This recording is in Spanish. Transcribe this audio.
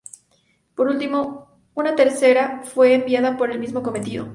Por último, una tercera fue enviada para el mismo cometido.